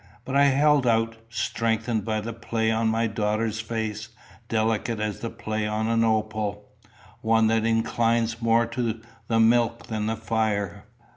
But I held out, strengthened by the play on my daughter's face, delicate as the play on an opal one that inclines more to the milk than the fire.